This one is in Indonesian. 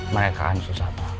mereka akan susah pak